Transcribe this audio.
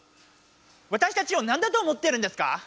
わたしたちをなんだと思ってるんですか！